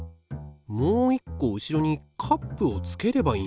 もう一個後ろにカップをつければいいんじゃない？